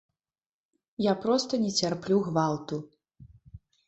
Я проста не цярплю гвалту.